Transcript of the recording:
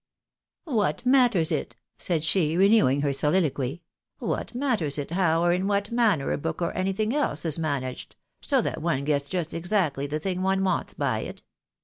" What matters it," said she, renewing her soUloquy, " what matters it how or in what manner a book or anything else is managed, so that one gets just exactly the thing one wants by it